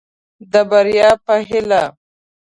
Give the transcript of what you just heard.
د بريا په هيله.